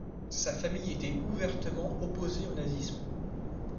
Sa famille était ouvertement opposée au nazisme.